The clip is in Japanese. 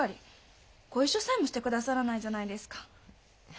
ご一緒さえもして下さらないじゃないですか。